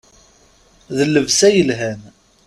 D llebsa yelhan.